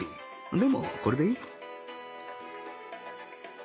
でもこれでいい